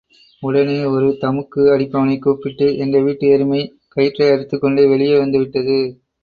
உடனே ஒரு தமுக்கு அடிப்பவனைக் கூப்பிட்டு, எங்க வீட்டு எருமை கயிற்றை அறுத்துக் கொண்டு வெளியே வந்து விட்டது.